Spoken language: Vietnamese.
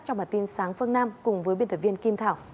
trong bản tin sáng phương nam cùng với biên tập viên kim thảo